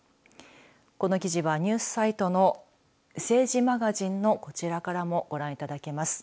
この記事は、ニュースサイトの政治マガジンのこちらからもご覧いただけます。